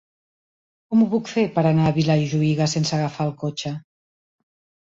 Com ho puc fer per anar a Vilajuïga sense agafar el cotxe?